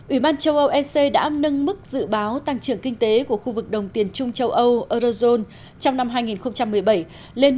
ủy ban châu âu ec đã nâng mức dự báo tăng trưởng kinh tế của khu vực đồng tiền chung châu âu eurozone